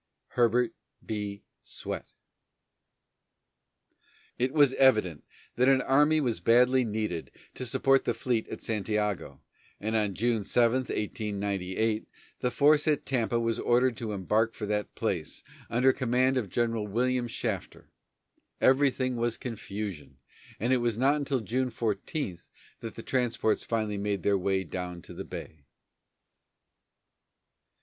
HERBERT B. SWETT. It was evident that an army was badly needed to support the fleet at Santiago, and on June 7, 1898, the force at Tampa was ordered to embark for that place, under command of General William Shafter. Everything was confusion, and it was not until June 14 that the transports finally made their way down the bay.